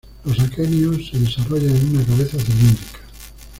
Los aquenios se desarrollan en una cabeza cilíndrica.